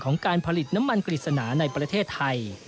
การผลิตน้ำมันกฤษณาในประเทศไทย